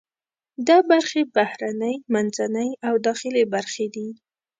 دا برخې بهرنۍ، منځنۍ او داخلي برخې دي.